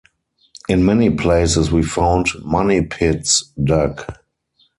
In many places we found money-pits dug.